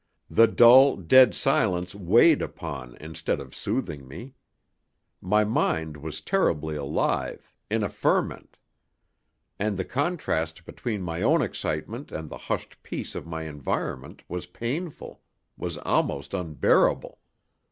The dull, dead silence weighed upon instead of soothing me. My mind was terribly alive, in a ferment; and the contrast between my own excitement and the hushed peace of my environment was painful, was almost unbearable.